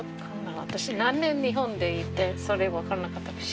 私何年日本にいてそれ分からなかったかしら。